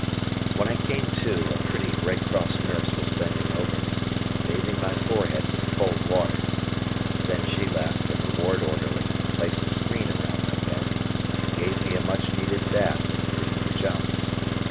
When I came to, a pretty Red Cross nurse was bending over me, bathing my forehead with cold water, then she left and the ward orderly placed a screen around my bed, and gave me a much needed bath and clean pajamas.